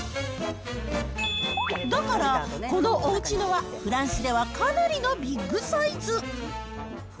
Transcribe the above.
だから、このおうちのは、フランスではかなりのビッグサイズ。